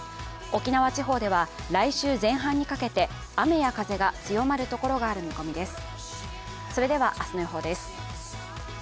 沖縄地方では来週前半にかけて雨や風が強まる所がある見込みです。